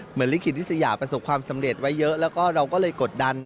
ลิขิติสยาประสบความสำเร็จไว้เยอะแล้วก็เราก็เลยกดดัน